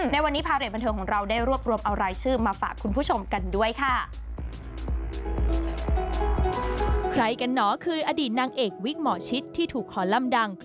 ในวันนี้พาเรทบันเทิงของเราได้รวบรวมเอารายชื่อมาฝากคุณผู้ชมกันด้วยค่ะ